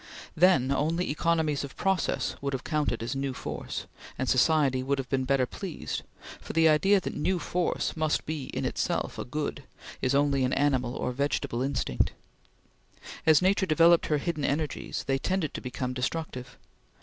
Then only economies of process would have counted as new force, and society would have been better pleased; for the idea that new force must be in itself a good is only an animal or vegetable instinct. As Nature developed her hidden energies, they tended to become destructive.